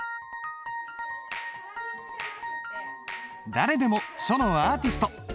誰でも書のアーティスト！